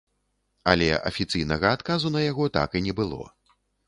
Але, афіцыйнага адказу на яго так і не было.